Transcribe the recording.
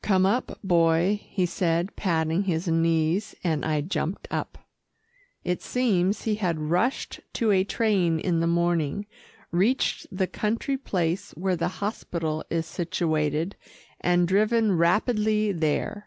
"Come up, Boy," he said patting his knees, and I jumped up. It seems he had rushed to a train in the morning, reached the country place where the hospital is situated, and driven rapidly there.